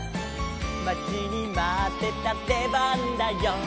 「まちにまってたでばんだよ」